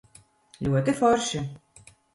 Ļoti forši?